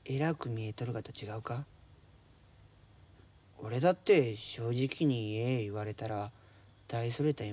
俺だって「正直に言え」言われたら大それた夢なんかないもん。